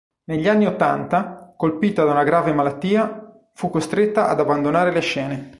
Negli anni ottanta, colpita da una grave malattia, fu costretta ad abbandonare le scene.